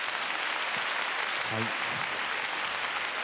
はい。